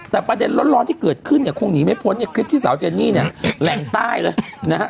แต่ประเด็นร้อนที่เกิดขึ้นเนี่ยคงหนีไม่พ้นในคลิปที่สาวเจนนี่เนี่ยแหล่งใต้เลยนะฮะ